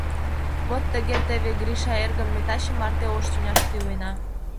Вот тыге теве, Гриша эргым, ме таче марте ош тӱняште илена.